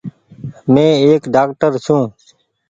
مين ايڪ ڊآڪٽر ڇون ۔